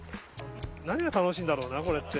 何が楽しいんだろうなこれって。